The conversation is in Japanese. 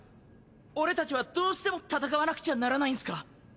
俺たちはどうしても戦わなくちゃならないんすか？